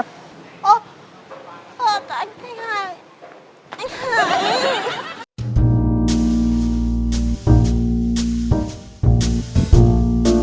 mến có chuyện gì thế